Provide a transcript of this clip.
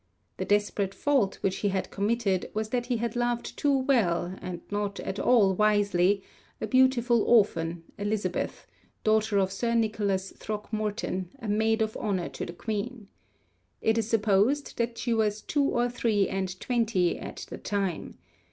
The desperate fault which he had committed was that he had loved too well and not at all wisely a beautiful orphan, Elizabeth, daughter of Sir Nicholas Throckmorton, a maid of honour to the Queen. It is supposed that she was two or three and twenty at the time.